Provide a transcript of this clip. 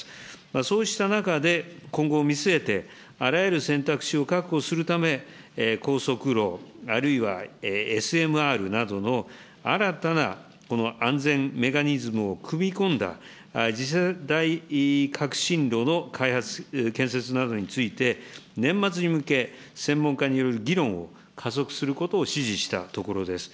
そうした中で、今後を見据えて、あらゆる選択肢を確保するため、高速炉、あるいはＳＭＲなどの、新たな安全メカニズムを組み込んだ、次世代革新炉の開発、建設などについて、年末に向け、専門家による議論を加速することを指示したところです。